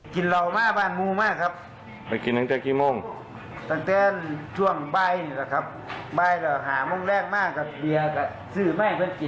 ขอบคุณมานอนแล้วโหดมานอนแล้วนอนครับแกก็ไปเงียวแล้วค่ะ